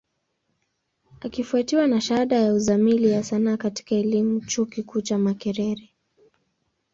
Ikifwatiwa na shahada ya Uzamili ya Sanaa katika elimu, chuo kikuu cha Makerere.